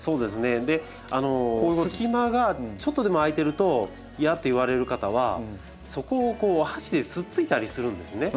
で隙間がちょっとでも空いてると嫌っていわれる方はそこを箸でつっついたりするんですね。